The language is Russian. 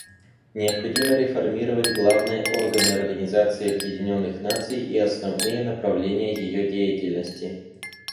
Необходимо реформировать главные органы Организации Объединенных Наций и основные направления ее деятельности.